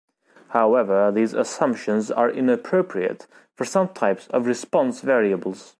However, these assumptions are inappropriate for some types of response variables.